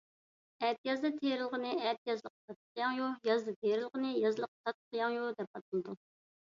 ئەتىيازدا تېرىلغىنى ئەتىيازلىق تاتلىقياڭيۇ، يازدا تېرىلغىنى يازلىق تاتلىقياڭيۇ دەپ ئاتىلىدۇ.